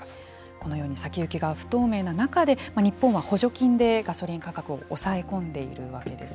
このように先行きが不透明な中で日本は補助金でガソリン価格を押さえ込んでいるわけです。